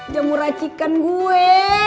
jamu racikan gue